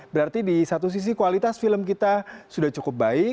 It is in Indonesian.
berarti di satu sisi kualitas film kita sudah cukup baik